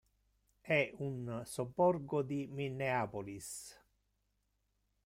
È un sobborgo di Minneapolis.